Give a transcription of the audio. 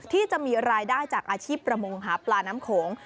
ที่จะมีรายได้จากอาชีพประมงหาปลาน้ำโขง